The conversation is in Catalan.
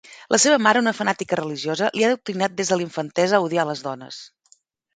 La seva mare, una fanàtica religiosa, li ha adoctrinat des de la infantesa a odiar les dones.